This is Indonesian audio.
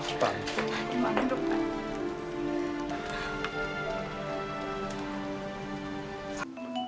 gimana dok pak